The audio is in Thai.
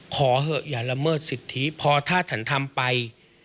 ขอเถอะอย่าละเมิดสิทธิพอถ้าฉันทำไป